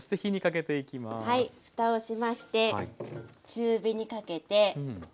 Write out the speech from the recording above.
ふたをしまして中火にかけて。